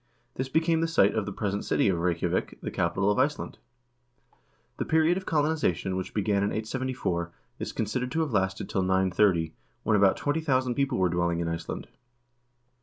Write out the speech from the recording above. This became the site of the present city of Reykjavik, the capital of Iceland. The period of colonization, which began in 874, is considered to have lasted till 930, when about 20,000 people were dwelling in Iceland.